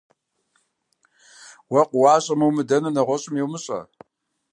Уэ къыуащӀэмэ умыдэнур нэгъуэщӀым йумыщӀэ.